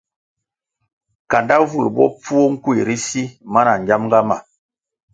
Kandá vul bopfuo nkuéh ri si mana ngiamga ma.